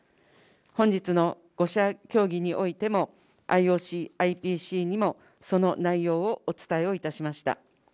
本日の５者協議においても、ＩＯＣ、ＩＰＣにもその内容をお伝えをいたしました。